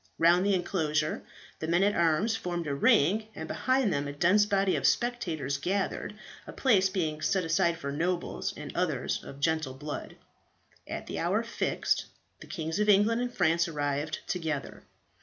Round the enclosure the men at arms formed the ring, and behind them a dense body of spectators gathered, a place being set aside for nobles, and others of gentle blood. At the hour fixed the Kings of England and France arrived together.